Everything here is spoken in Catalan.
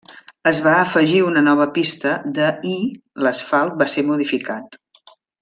Es va afegir una nova pista de i l'asfalt va ser modificat.